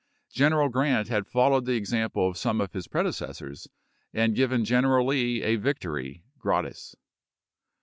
General Grant had followed the example of some of his predecessors and given General Lee a victory gi'atis.